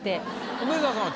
梅沢さんは？